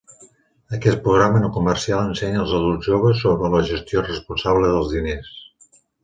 Aquest programa no comercial ensenya els adults joves sobre la gestió responsable dels diners.